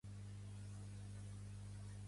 No comptaven trobar-se amb un narcopís.